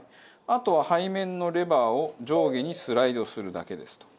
あとは背面のレバーを上下にスライドするだけですと。